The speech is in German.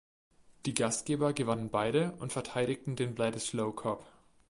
Die Gastgeber gewannen beide und verteidigten den Bledisloe Cup.